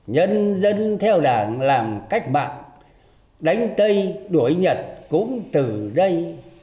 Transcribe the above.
nhân dân theo đảng làm cách mạng đánh tây đuổi nhật cũng từ đây